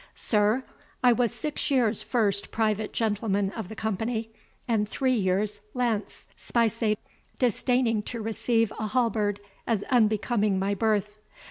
Sir, I was six years first private gentleman of the company, and three years lance speisade; disdaining to receive a halberd, as unbecoming my birth.